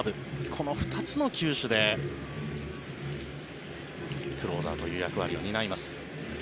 この２つの球種でクローザーという役割を担います。